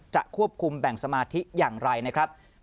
ควบคุมแบ่งสมาธิอย่างไรนะครับ